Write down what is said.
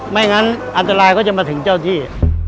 ไม่งั้นอันตรายก็จะมาถึงเจ้าที่